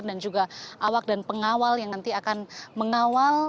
dan juga awak dan pengawal yang nanti akan mengawal